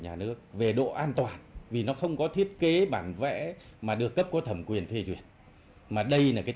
nhà nước về độ an toàn vì nó không có thiết kế bản vẽ mà được cấp có thẩm quyền phê duyệt mà đây là cái